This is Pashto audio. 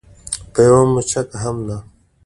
په یوه مچکه هم نه.